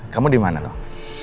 kamu di mana noh